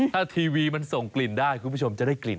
ถ้าทีวีมันส่งกลิ่นได้คุณผู้ชมจะได้กลิ่น